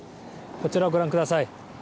こちらをご覧ください。